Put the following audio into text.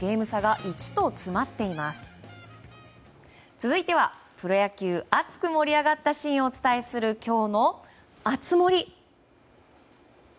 続いてはプロ野球熱く盛り上がったシーンをお伝えするきょうの熱盛！